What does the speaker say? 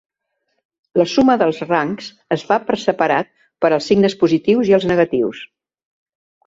La suma dels rangs es fa per separat per als signes positius i els negatius.